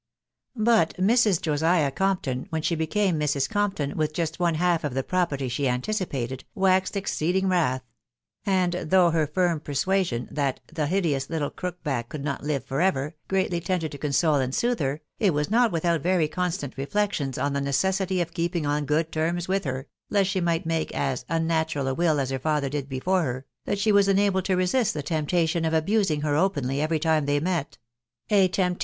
But Mrs. Josiah Compton, when she became Mrs. Compton, with just one half of the property she anticipated, waxed ex ceeding wrath ; and though her firm persuasion, that (C the hideous little crook back could not live for ever," greatly tended to console and soothe her, it was not without very Constant reflections on the necessity of keeping on good terms mth her, lest she might make as " unnatural a will as her rtuAer did before her, " that she was enabled to resist tVve tern^t atfoa of abusing ber openly every time they met ; a tempta&au.